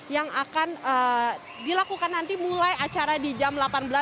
yang akan dilakukan nanti mulai acara di jam delapan belas